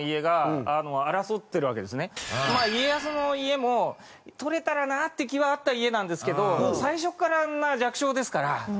家康の家も取れたらなって気はあった家なんですけど最初から弱小ですから取れるとは思ってない。